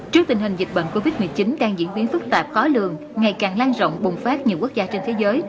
trước tình hình dịch bệnh covid một mươi chín đang diễn biến phức tạp khó lường ngày càng lan rộng bùng phát nhiều quốc gia trên thế giới